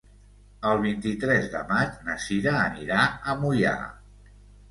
El vint-i-tres de maig na Cira anirà a Moià.